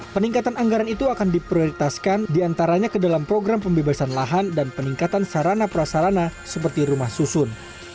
peningkatan anggaran itu akan diprioritaskan diantaranya ke dalam program pembebasan lahan dan peningkatan sarana prasarana seperti rumah susun